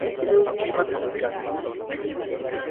Tiene un clima tropical.